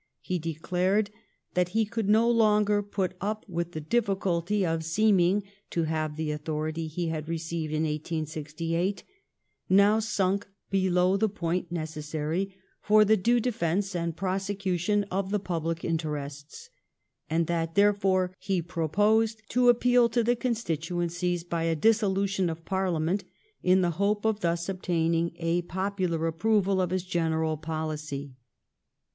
He declared that he could no longer put up with the difficulty of seeming to have the authority he had received in 1868 now sunk "below the point nec essary for the due defence and prosecution of the public interests," and that, therefore, he proposed to appeal to the constituencies by a dissolution of Parliament, in the hope of thus obtaining a popular approval of his general policy.